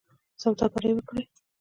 سوداګري وکړئ